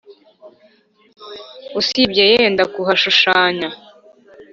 usibye yenda kuhashushanya